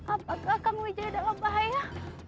apakah kamu jadi dalam bahaya